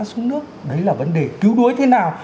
xuống nước đấy là vấn đề cứu đuối thế nào